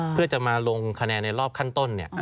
เพื่อจะมาลงคะแนนในรอบขั้นต้น